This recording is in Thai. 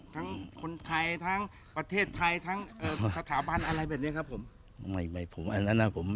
ทั้งคนไทยทั้งประเทศไทยทั้งสถาบันอะไรแบบนี้ครับผม